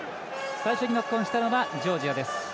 最初にノックオンしたのはジョージアです。